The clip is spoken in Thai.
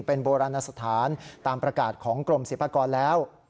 เป็นโบราณสถานตามประกาศของกรมศิลปากรแล้ว